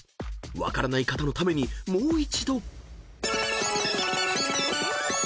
分からない方のためにもう一度］